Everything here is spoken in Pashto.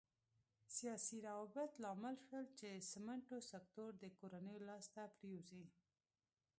سیاسي روابط لامل شول چې سمنټو سکتور د کورنیو لاس ته پرېوځي.